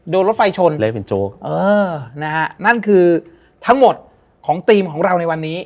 โดนรถไฟชนเออนะฮะนั่นคือทั้งหมดของธีมของเราในวันนี้